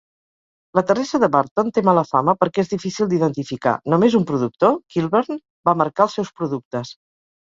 La terrissa de Burton té mala fama perquè és difícil d'identificar; només un productor, Kilburn, va marcar els seus productes.